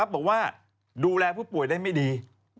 บอกว่าดูแลผู้ป่วยได้ไม่ดี